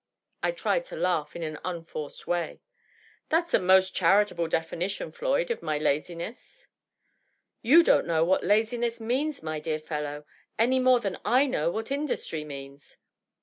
I tried to laugh in an unforced way. " Thaf s a most charitable definition, Floyd, of my laziness." " You don't know what laziness means, my dear fellow, any more than I know what industry means.